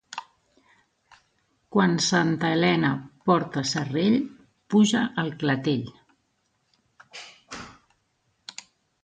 Quan Santa Helena porta serrell, pluja al clatell.